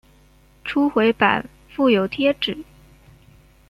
初回版附有贴纸。